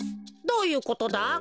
どういうことだ？